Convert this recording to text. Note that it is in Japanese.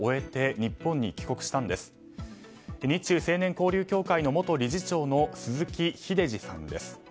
日中青年交流協会の元理事長の鈴木英司さんです。